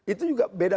itu juga beda